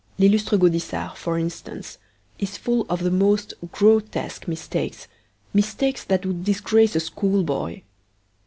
L'lllustre Gaudissart, for instance, is full of the most grotesque mistakes, mistakes that would disgrace a schoolboy.